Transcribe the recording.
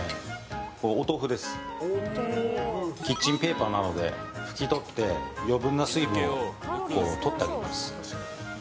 キッチンペーパーなどでふき取って余分な水分をとってあげます。